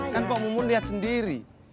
kan pak mumun lihat sendiri